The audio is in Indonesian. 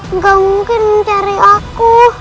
enggak mungkin mencari aku